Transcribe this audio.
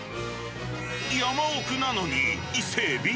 山奥なのに伊勢エビ？